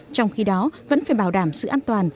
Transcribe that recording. trong khi đó vẫn phải bảo đảm sự an toàn